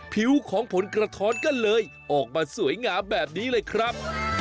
ผิวของผลกระท้อนก็เลยออกมาสวยงามแบบนี้เลยครับ